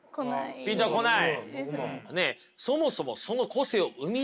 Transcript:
ピンとは来ない。